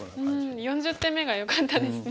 ４０手目がよかったですね。